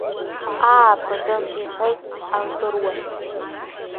Аа, патын, — иҳәеит агыруа.